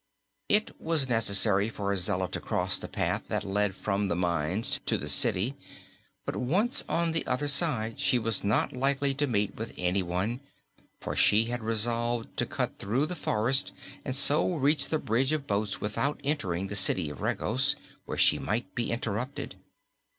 It was necessary for Zella to cross the path that led from the mines to the city, but once on the other side she was not likely to meet with anyone, for she had resolved to cut through the forest and so reach the bridge of boats without entering the City of Regos, where she might be interrupted.